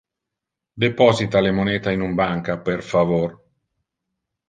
Deposita le moneta in un banca, per favor.